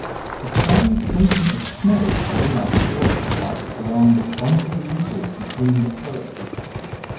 A starry sprinkling of snow lay like hoar frost along the crumbly ridges between the furrows.